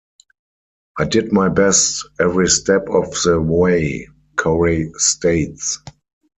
I did my best every step of the way, Corey states.